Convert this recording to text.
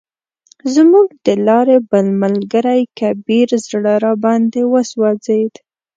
زموږ د لارې بل ملګری کبیر زړه راباندې وسوځید.